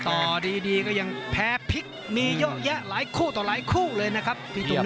ต่อดีก็ยังแพ้พลิกมีเยอะแยะหลายคู่ต่อหลายคู่เลยนะครับพี่ตัว